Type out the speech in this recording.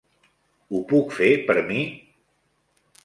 Ho puc fer per mi?